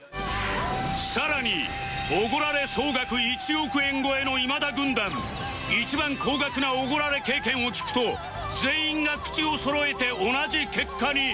さらに奢られ総額１億円超えの今田軍団一番高額な奢られ経験を聞くと全員が口をそろえて同じ結果に